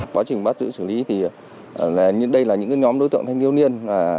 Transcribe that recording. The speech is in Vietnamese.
quá trình bắt giữ xử lý thì đây là những nhóm đối tượng thanh thiếu niên